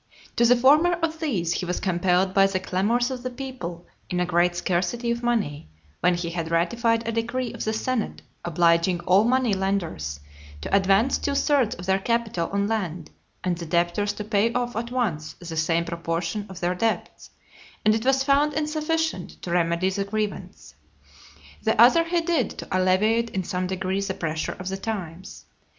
To the former of these he was compelled by the clamours of the people, in a great scarcity of money, when he had ratified a decree of the senate obliging all money lenders to advance two thirds of their capital on land, and the debtors to pay off at once the same proportion of their debts, and it was found insufficient to remedy the grievance. The other he did to alleviate in some degree the pressure of the times.